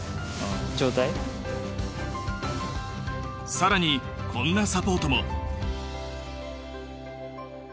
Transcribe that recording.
更にこんなサポートも。